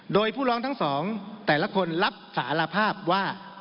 โดยผู้ร้องทั้งสองแต่ละคนรับสารภาพว่า